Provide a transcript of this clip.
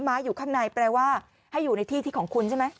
้าอยู่ข้างในแปลว่าให้อยู่ในที่ที่ของคุณใช่ไหม